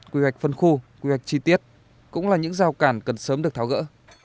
quy hoạch phân khu quy hoạch chi tiết cũng là những giao cản cần sớm được tháo gỡ